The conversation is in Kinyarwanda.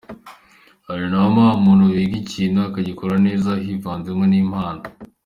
Hari na wa muntu wiga ikintu akagikora neza hivanzemo n’impano.